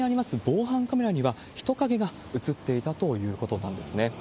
防犯カメラには、人影が映っていたということなんですね。